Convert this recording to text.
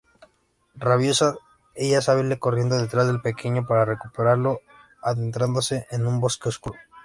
Rabiosa, ella sale corriendo detrás del pequeño para recuperarlo, adentrándose en un bosque oscuro.